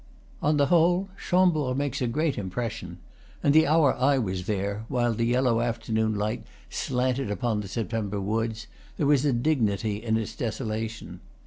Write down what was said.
On the whole, Chambord makes a great impression; and the hour I was, there, while the yellow afternoon light slanted upon the September woods, there was a dignity in its desolation.